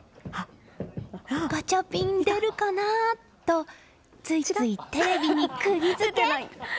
ガチャピン出るかな？とついついテレビに釘付け。